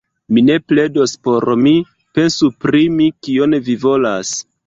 Mi ne pledos por mi; pensu pri mi, kion vi volos.